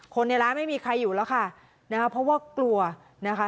ในร้านไม่มีใครอยู่แล้วค่ะนะคะเพราะว่ากลัวนะคะ